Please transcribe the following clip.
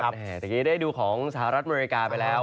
แต่เมื่อกี้ได้ดูของสหรัฐอเมริกาไปแล้ว